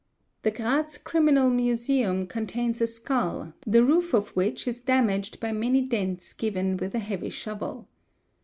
The Graz Criminal Museum contains a skull the roof of which is damaged by many dents given with a heavy shovel.